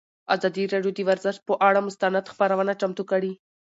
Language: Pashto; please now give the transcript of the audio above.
ازادي راډیو د ورزش پر اړه مستند خپرونه چمتو کړې.